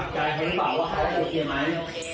เธอบอกเธอโอเคมั้ย